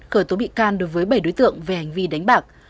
khởi tố bị can đối với bảy đối tượng về hành vi đánh bạc